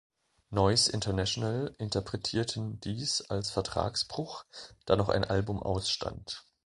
Noise International interpretierten dies als Vertragsbruch, da noch ein Album ausstand.